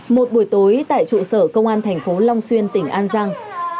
một buổi tối tại trụ sở công an thành phố long xuyên tỉnh an giang